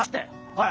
はい！